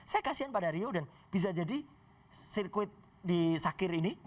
saya kasian pada rio dan bisa jadi sirkuit di sakir ini